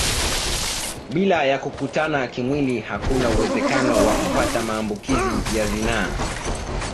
Bila ya kukutana kimwili hakuna uwezekano wa kupata maambukizi ya zinaa